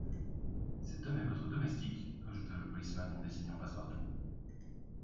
Cet homme est votre domestique? ajouta le policeman en désignant Passepartout.